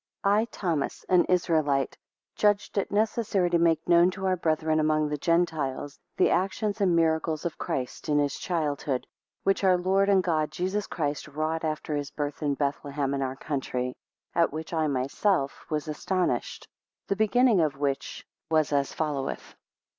I THOMAS, an Israelite, judged it necessary to make known to our brethren among the Gentiles, the actions and miracles of Christ in his childhood, which our Lord and God Jesus Christ wrought after his birth in Bethlehem in our country, at which I myself, was astonished; the beginning of which was as followeth.